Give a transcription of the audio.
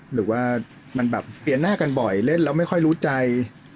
หรือว่ามันแบบเปลี่ยนหน้ากันบ่อยเล่นแล้วไม่ค่อยรู้ใจ